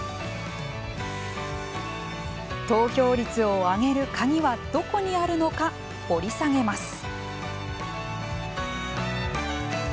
投票率を上げる鍵はどこにあるのか、掘り下げます。